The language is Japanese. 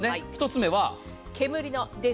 １つ目は。